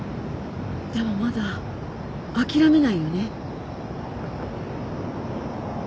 でもまだ諦めないよね。